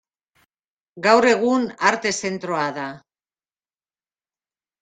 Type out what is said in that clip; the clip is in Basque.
Gaur egun Arte Zentroa da.